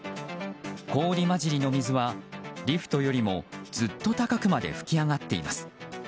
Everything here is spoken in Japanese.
氷交じりの水は、リフトよりもずっと高くまで噴き上がっています。